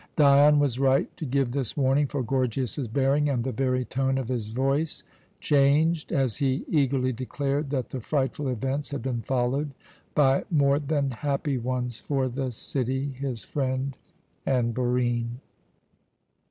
Dion was right to give this warning; for Gorgias's bearing and the very tone of his voice changed as he eagerly declared that the frightful events had been followed by more than happy ones for the city, his friend, and Barine.